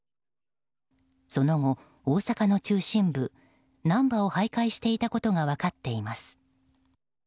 その後、大阪の中心部を徘徊したことが分かっています。